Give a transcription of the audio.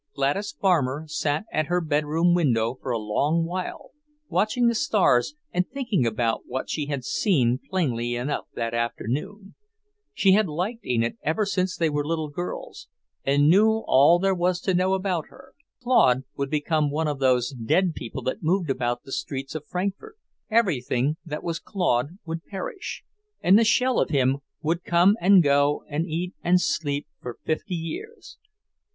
Gladys Farmer sat at her bedroom window for a long while, watching the stars and thinking about what she had seen plainly enough that afternoon. She had liked Enid ever since they were little girls, and knew all there was to know about her. Claude would become one of those dead people that moved about the streets of Frankfort; everything that was Claude would perish, and the shell of him would come and go and eat and sleep for fifty years.